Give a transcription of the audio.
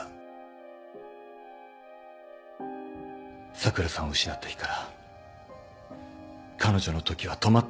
咲良さんを失った日から彼女の時は止まったままだ。